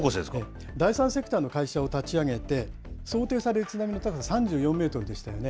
第３セクターの会社を立ち上げて、想定される津波の高さ、３４メートルでしたよね。